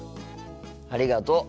ありがとう。